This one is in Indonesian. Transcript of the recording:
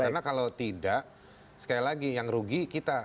karena kalau tidak sekali lagi yang rugi kita